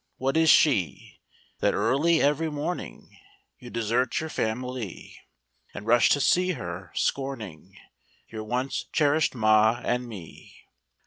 What is she That early every morning You desert your family And rush to see her, scorning Your once cherished ma and me?